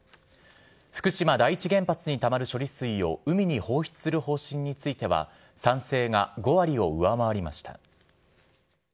福島第一原発にたまる処理水を海に放出する方針については、賛成が５割を上回りました。